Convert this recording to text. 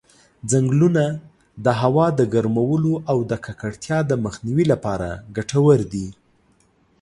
ځنګلونه د هوا د ګرمولو او د ککړتیا د مخنیوي لپاره ګټور دي.